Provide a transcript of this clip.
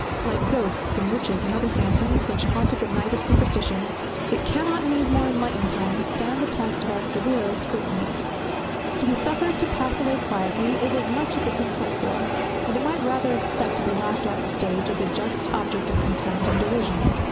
Like ghosts and witches and other phantoms, which haunted the night of superstition, it cannot in these more enlightened times stand the test of our severer scrutiny. To be suffered to pass away quietly, is as much as it can hope for; and it might rather expect to be laughed off the stage as a just object of contempt and derision.